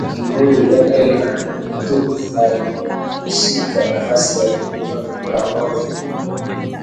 Kimuyu Daniel Mutuku akishika nafasi ya pili kwa kura moja